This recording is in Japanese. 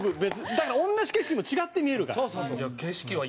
だから同じ景色も違って見えるから。